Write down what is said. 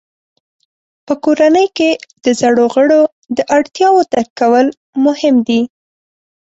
په کورنۍ کې د زړو غړو د اړتیاوو درک کول مهم دي.